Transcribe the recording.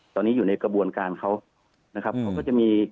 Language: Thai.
ตอนนี้อยู่ในกระบวนการเขานะครับเขาก็จะมี